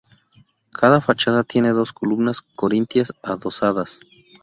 Cada fachada tiene dos columnas corintias adosadas.